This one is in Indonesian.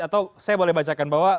atau saya boleh bacakan bahwa